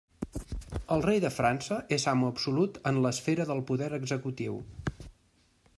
El rei de França és amo absolut en l'esfera del poder executiu.